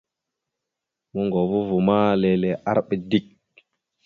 Moŋgovo ava ma lele, arəba dik.